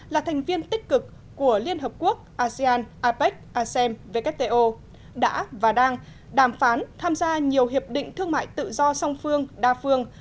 là thành viên tích cực của liên hợp quốc asean apec asem wto đã và đang đàm phán tham gia nhiều hiệp định thương mại tự do song phương đa phương